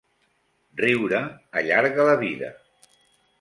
Riure allarga la vida.